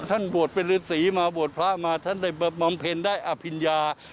ท่านบวชเป็นฤษีมาบวชพระมาท่านได้บำเพ็ญได้อภิญญา